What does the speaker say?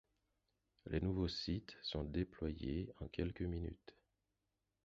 Les nouveaux sites sont déployés en quelques minutes.